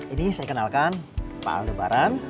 ini saya kenalkan pak aldebaran